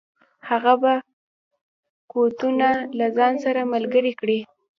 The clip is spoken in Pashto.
هغه به قوتونه له ځان سره ملګري کړي.